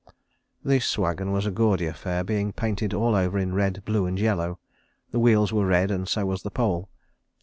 This wagon was a gaudy affair, being painted all over in red, blue and yellow. The wheels were red and so was the pole.